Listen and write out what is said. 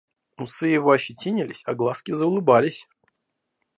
Усы его ощетинились, а глазки заулыбались.